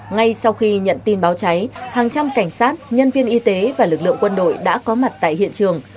ngay sau khi nhận tin báo cháy hàng trăm cảnh sát nhân viên y tế và lực lượng quân đội đã có mặt tại hiện trường